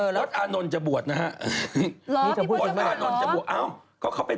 พระอาณนท์จะบวชนะฮะ